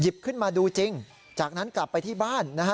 ขึ้นมาดูจริงจากนั้นกลับไปที่บ้านนะฮะ